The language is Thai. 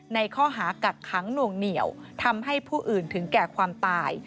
ในข้อหากักขังหน่วงเหนียวทำให้ผู้อื่นถึงแก่ความตาย